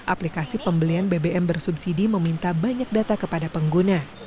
aplikasi pembelian bbm bersubsidi meminta banyak data kepada pengguna